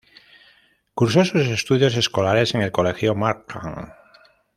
Cursó sus estudios escolares en el Colegio Markham.